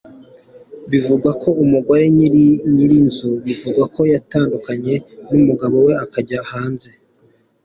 Bivugwa ko umugore nyir’iyi nzu bivugwa ko yatandukanye n’umugabo we, akajya hanze.